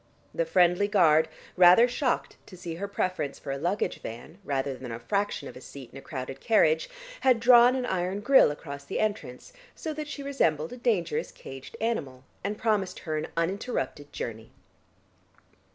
The friendly guard, rather shocked to see her preference for a luggage van, rather than a fraction of a seat in a crowded carriage, had drawn an iron grille across the entrance, so that she resembled a dangerous caged animal, and promised her an uninterrupted journey.